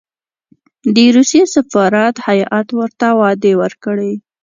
د روسیې سفارت هېئت ورته وعدې ورکړې.